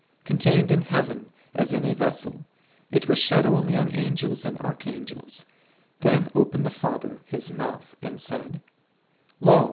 Contained in Heaven as in a vessel, it was shed only on Angels and Arch angels ; then opened the Father His mouth and said, Lo